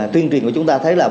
tuyên truyền của chúng ta thấy là